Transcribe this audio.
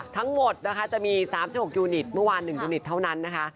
ทั้งหมดนะคะจะมี๓๖ยูนิตเมื่อวาน๑ยูนิตเท่านั้นนะคะ